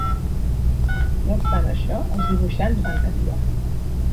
No obstant això els dibuixants van canviar.